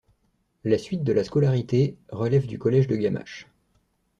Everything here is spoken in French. La suite de la scolarité relève du collège de Gamaches.